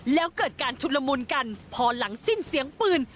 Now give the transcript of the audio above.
แล้วเกิดการชุดละมุนกันพอหลังสิ้นเสียงปืน